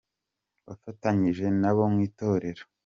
Wafatanyije nabo mu itorero